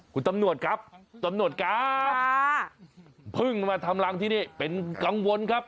คุณตำรวจครับตำรวจครับเพิ่งมาทำรังที่นี่เป็นกังวลครับ